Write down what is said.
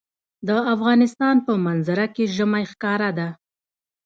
د افغانستان په منظره کې ژمی ښکاره ده.